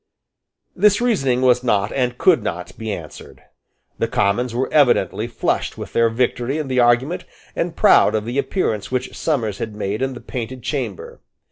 This reasoning was not and could not be answered. The Commons were evidently flushed with their victory in the argument, and proud of the appearance which Somers had made in the Painted Chamber.